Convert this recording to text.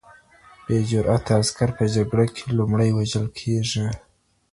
بې جرأته عسکر په جګړه کي لومړی وژل کیږي.